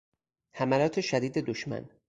حملات شدید دشمن